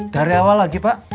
dari awal lagi pak